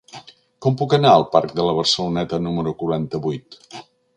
Com puc anar al parc de la Barceloneta número quaranta-vuit?